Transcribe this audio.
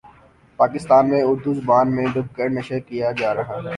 پاکستان میں اردو زبان میں ڈب کر کے نشر کیا جارہا ہے